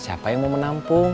siapa yang mau menampung